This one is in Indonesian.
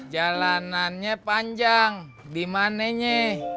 jalanannya panjang dimanenye